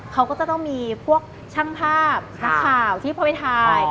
เขาก็จะต้องมีพวกช่างภาพนักข่าวที่พอไปถ่าย